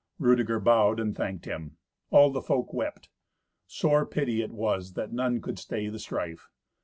Rudeger bowed, and thanked him. All the folk wept. Sore pity it was that none could stay the strife.